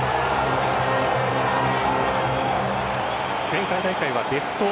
前回大会はベスト８。